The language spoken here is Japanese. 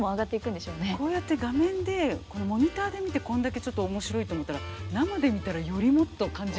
こうやって画面でモニターで見てこんだけ面白いと思ったら生で見たらよりもっと感じるものいっぱい。